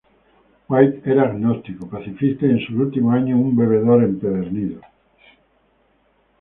White era agnóstico, pacifista y en sus últimos años, un bebedor empedernido.